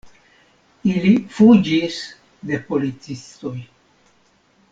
Ili fuĝis de policistoj.